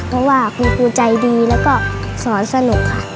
เพราะว่าคุณครูใจดีแล้วก็สอนสนุกค่ะ